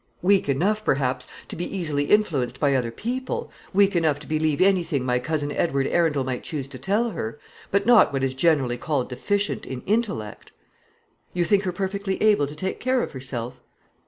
"Weak enough, perhaps, to be easily influenced by other people; weak enough to believe anything my cousin Edward Arundel might choose to tell her; but not what is generally called deficient in intellect." "You think her perfectly able to take care of herself?"